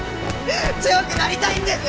強くなりたいんです！